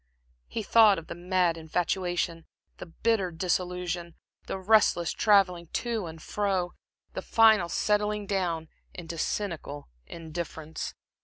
He thought of the mad infatuation, the bitter disillusion, the restless travelling to and fro, the final settling down into cynical indifference....